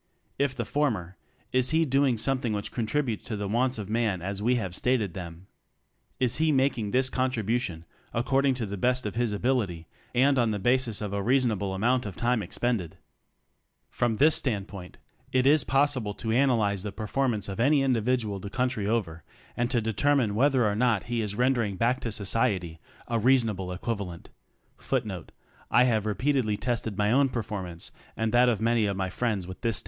If the former, is he doing something which contributes to the wants of man as we have stated them? Is he making this contribution according to the best of his ability, and on the basis of a reasonable amount of time expended? From this standpoint, it is possible to analyze the performance of any individual the country over, and to determine whether or not he is rendering back to society a reasonable equivalent.'